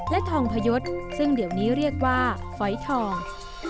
และทองพยศซึ่งเดี๋ยวนี้เรียกว่าฝอยทอง